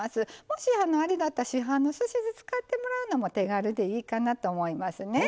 もしあれだったら市販のすし酢使ってもらうのも手軽でいいかなと思いますね。